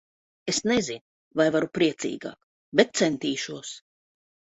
Es nezinu, vai varu priecīgāk, bet centīšos.